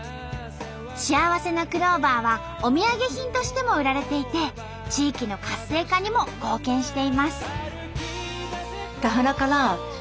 幸せのクローバーはお土産品としても売られていて地域の活性化にも貢献しています。